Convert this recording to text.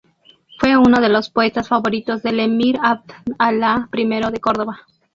Fue uno de los poetas favoritos del emir Abd Allah I de Córdoba.